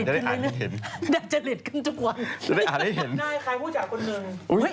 วัลลาวัลลาพี่ไข่ไวรายุ้นหรอ